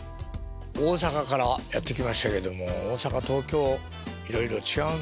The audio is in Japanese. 大阪からやって来ましたけども大阪東京いろいろ違うんですね